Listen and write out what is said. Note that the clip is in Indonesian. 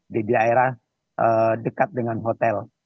di daerah dekat dengan hotel